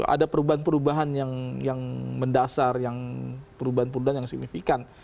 ada perubahan perubahan yang mendasar yang perubahan perubahan yang signifikan